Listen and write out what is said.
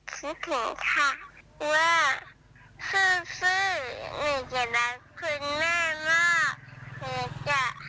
คิดถึงค่ะว่าสู้ไม่ได้รักคุณแม่มาก